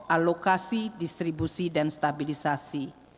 alokasi distribusi dan stabilisasi